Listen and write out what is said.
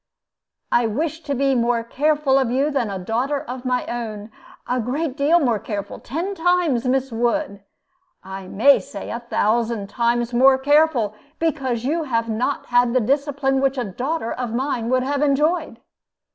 I wish to be more careful of you than of a daughter of my own a great deal more careful, ten times, Miss Wood; I may say a thousand times more careful, because you have not had the discipline which a daughter of mine would have enjoyed.